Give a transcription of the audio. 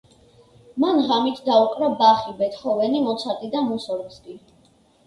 მან ღამით დაუკრა ბახი, ბეთჰოვენი, მოცარტი და მუსორგსკი.